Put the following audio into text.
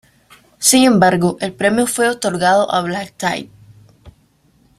Sin embargo el premio fue otorgado a Black Tide.